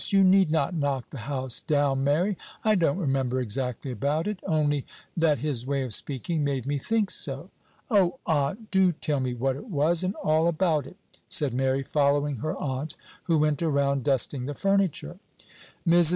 you need not knock the house down, Mary. I don't remember exactly about it, only that his way of speaking made me think so." "O aunt! do tell me what it was, and all about it," said Mary, following her aunt, who went around dusting the furniture. Mrs.